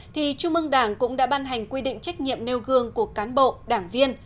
thì trung ương đảng cũng đã ban hành quy định trách nhiệm nêu gương của cán bộ đảng viên